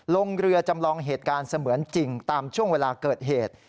ลงเรือจำลองเหตุการณ์เสมือนจริงตามช่วงเวลาเกิดเหตุ